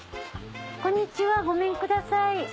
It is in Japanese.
こんにちはごめんください。